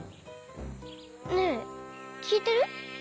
ねえきいてる？